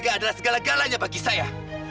dan itu adalah segala galanya bagi saya